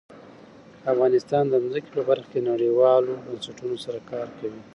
افغانستان د ځمکه په برخه کې نړیوالو بنسټونو سره کار کوي.